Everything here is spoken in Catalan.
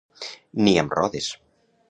Ni amb rodes.